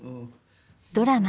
ドラマ